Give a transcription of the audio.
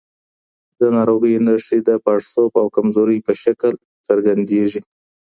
د ناروغۍ نښې د پاړسوب او کمزورۍ په شکل څرګندېږي.